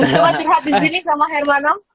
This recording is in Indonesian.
coba cerhat disini sama hermanom